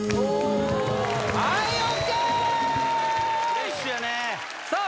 フレッシュやねさあ